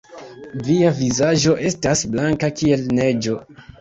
Via vizaĝo estas blanka kiel neĝo!